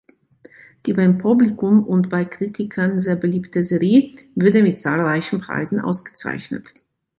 Die beim Publikum und bei Kritikern sehr beliebte Serie wurde mit zahlreichen Preisen ausgezeichnet.